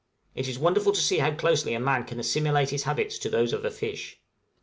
It is wonderful to see how closely a man can assimilate his habits to those of a fish.